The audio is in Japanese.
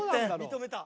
認めた。